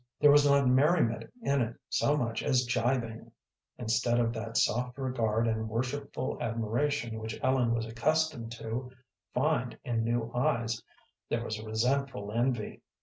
There was not merriment in it so much as jibing; instead of that soft regard and worshipful admiration which Ellen was accustomed to find in new eyes, there was resentful envy.